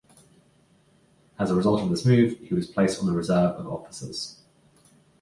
As a result of this move he was placed on the reserve of officers.